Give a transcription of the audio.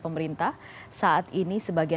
terima kasih semuanya